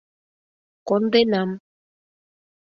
— Конденам.